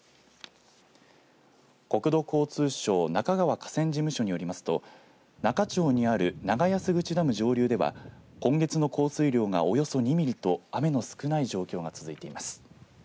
国土交通省那賀川河川事務所によりますと那賀町による長安口ダム上流では今月の降水量がおよそ２ミリと雨の少ない状況が続いています。